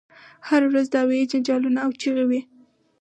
هره ورځ دعوې جنجالونه او چیغې وي.